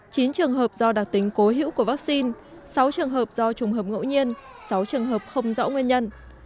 chín trường hợp do đặc tính cố hữu của vaccine sáu trường hợp do trùng hợp ngẫu nhiên sáu trường hợp không rõ nguyên nhân